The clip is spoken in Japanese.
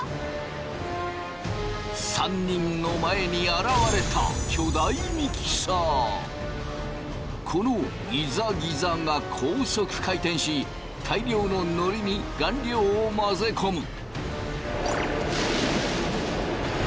３人の前に現れたこのギザギザが高速回転し大量ののりに顔料を混ぜ込む。